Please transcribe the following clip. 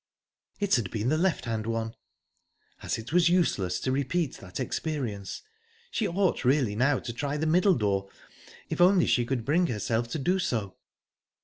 It had been the left hand one. As it was useless to repeat that experience, she ought really now to try the middle door if only she could bring herself to do so.